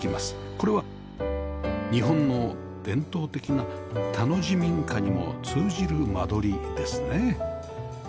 これは日本の伝統的な田の字民家にも通じる間取りですね